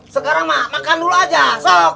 sekarang mak makan dulu aja sok